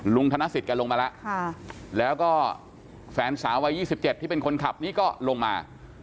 ลุงธนสิตกันลงมาแล้วค่ะแล้วก็แฟนสาววัยยี่สิบเจ็ดที่เป็นคนขับนี่ก็ลงมา